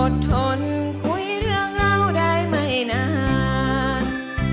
ทนคุยเรื่องเล่าได้ไม่นาน